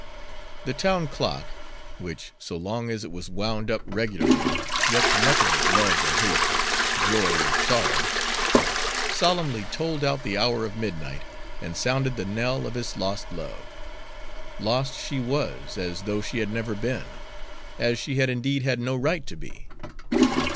The town clock which so long as it was wound up regularly recked nothing of love or hate, joy or sorrow solemnly tolled out the hour of midnight and sounded the knell of his lost love. Lost she was, as though she had never been, as she had indeed had no right to be.